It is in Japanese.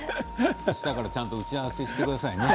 明日からちゃんと打ち合わせしてくださいね。